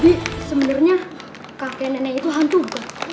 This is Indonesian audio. jadi sebenernya kakek nenek itu hantu bukan